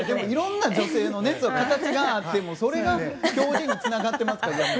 いろんな女性の形があってそれが表現につながっていますから。